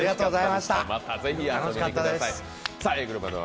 またぜひ遊びに来てください。